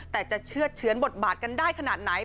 แต่จะเชื่อเฉือนบทบาทกันได้ขนาดไหน